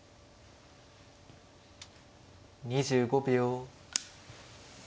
２５秒。